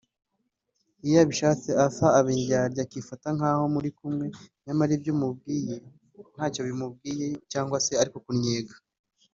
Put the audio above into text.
Iyo abishatse Arthur aba indyarya akifata nkaho muri kumwe nyamara ibyo umubwira ntacyo bimubwiye cyangwa se arimo kukunnyega